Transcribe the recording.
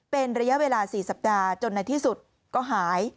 เป็นระยะเวลา๔สัปดาห์จนในที่สุดก็หาย